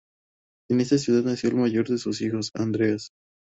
En esta ciudad nació el mayor de sus hijos, Andreas.